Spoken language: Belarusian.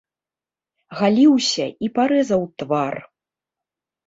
Галіўся і парэзаў твар.